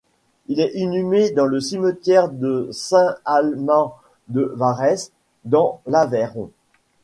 Il est inhumé dans le cimetière de Saint-Amans-de-Varès dans l'Aveyron.